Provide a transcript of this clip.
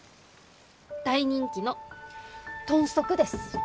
大人気の豚足です。